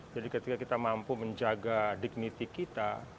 jadi ketika kita mampu menjaga dignity kita